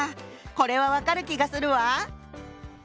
これは分かる気がするわ。